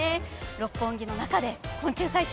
六本木の中で昆虫採集